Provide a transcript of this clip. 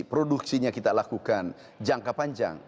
produksinya kita lakukan jangka panjang